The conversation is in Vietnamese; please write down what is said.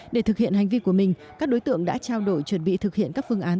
để thực hiện hành vi của mình các đối tượng đã trao đổi chuẩn bị thực hiện các phương án